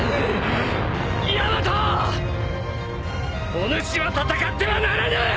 おぬしは戦ってはならぬ！